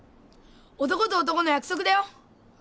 男と男の約束だよ。